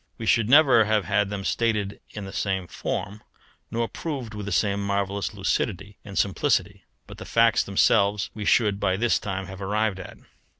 We should never have had them stated in the same form, nor proved with the same marvellous lucidity and simplicity, but the facts themselves we should by this time have arrived at.